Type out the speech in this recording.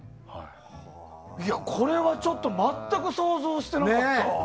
これはちょっと全く想像してなかった。